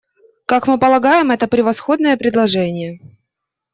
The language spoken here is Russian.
Как мы полагаем, это превосходное предложение.